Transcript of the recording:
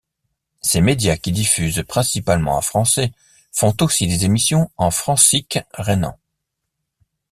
Ces médias qui diffussent principalement en français font aussi des émissions en francique rhénan.